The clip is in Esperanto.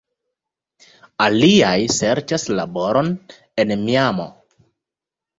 Aliaj serĉas laboron en Miamo.